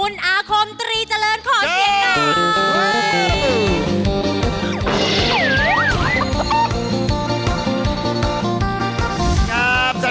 คุณอาคมตรีเจริญขอเสียงหน่อย